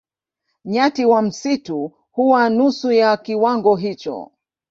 Nyati wa msitu huwa nusu ya kiwango hicho.